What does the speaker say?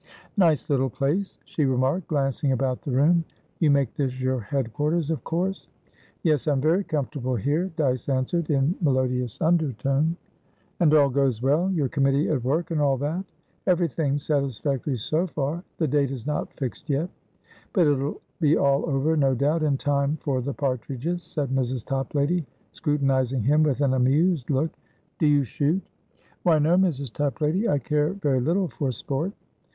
"Nice little place," she remarked, glancing about the room. "You make this your head quarters, of course?" "Yes; I am very comfortable here," Dyce answered, in melodious undertone. "And all goes well? Your committee at work, and all that?" "Everything satisfactory, so far. The date is not fixed yet." "But it'll be all over, no doubt, in time for the partridges," said Mrs. Toplady, scrutinising him with an amused look. "Do you shoot?" "Why no, Mrs. Toplady. I care very little for sport."